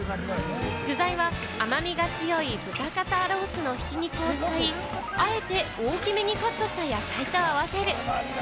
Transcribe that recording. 具材は甘みが強い豚肩ロースのひき肉を使い、あえて大きめにカットした野菜と合わせる。